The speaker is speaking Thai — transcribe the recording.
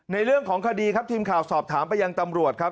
เรื่องของคดีครับทีมข่าวสอบถามไปยังตำรวจครับ